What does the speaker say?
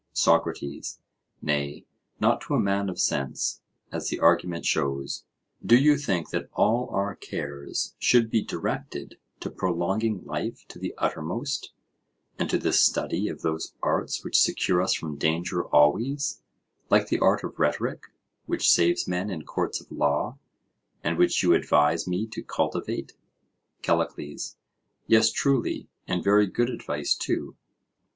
SOCRATES: Nay, not to a man of sense, as the argument shows: do you think that all our cares should be directed to prolonging life to the uttermost, and to the study of those arts which secure us from danger always; like that art of rhetoric which saves men in courts of law, and which you advise me to cultivate? CALLICLES: Yes, truly, and very good advice too.